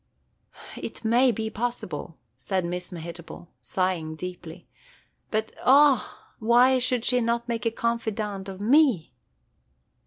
"That may be possible," said Miss Mehitable, sighing deeply, "but O, why should she not make a confidante of me?"